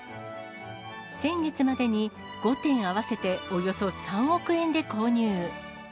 先月までに５点合わせておよそ３億円で購入。